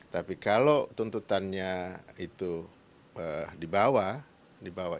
tapi kalau tuntutannya itu dibawa